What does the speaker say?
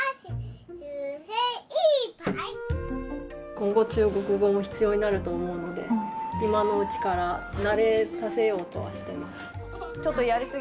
今後中国語も必要になると思うので今のうちから慣れさせようとはしてます。